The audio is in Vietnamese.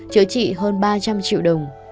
chữa trị hơn ba trăm linh triệu đồng